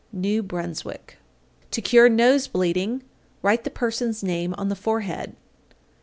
New Brunswick. 820. To cure nose bleeding, write the person's name on the forehead.